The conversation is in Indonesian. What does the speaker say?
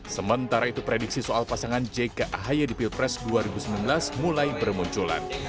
sementara itu prediksi soal pasangan jk ahy di pilpres dua ribu sembilan belas mulai bermunculan